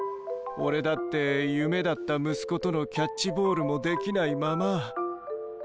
俺だって夢だった息子とのキャッチボールもできないまま。